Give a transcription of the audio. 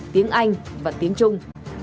tiếng anh và tiếng trung